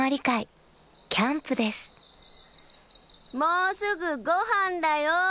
もうすぐごはんだよ！